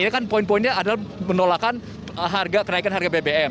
ini kan poin poinnya adalah menolakan kenaikan harga bbm